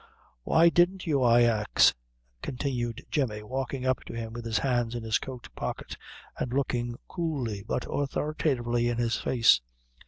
"Why didn't you, I ax," continued Jemmy, walking up to him, with his hands in his coat pocket, and looking coolly, but authoritatively in his face.